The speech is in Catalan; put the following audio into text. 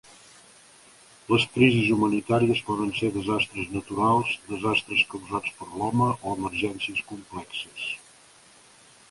Les crisis humanitàries poden ser desastres naturals, desastres causats per l'home o emergències complexes.